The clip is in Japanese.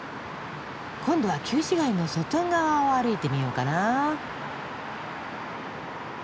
今度は旧市街の外側を歩いてみようかな。